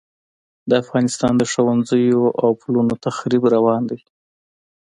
د افغانستان د ښوونځیو او پلونو تخریب روان دی.